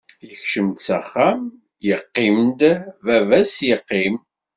Ikcem-d s axxam yeqqim-d baba-s yeqqim.